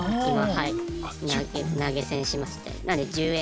はい。